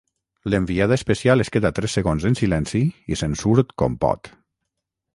L'enviada especial es queda tres segons en silenci i se'n surt com pot.